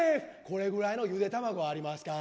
これぐらいのゆで卵ありますか？